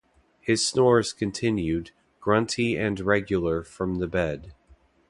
His snores continued, grunty and regular from the bed.